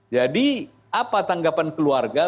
jadi apa tanggapan keluarga